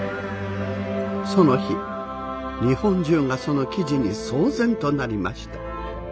その日日本中がその記事に騒然となりました。